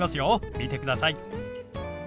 見てください。